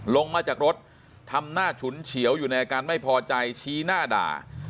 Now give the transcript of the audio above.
ลงมาจากรถทำหน้าฉุนเฉียวอยู่ในอาการไม่พอใจชี้หน้าด่า